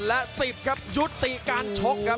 และ๑๐ครับยุติการชกครับ